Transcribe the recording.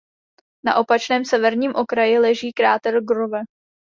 Na opačném severním okraji leží kráter Grove.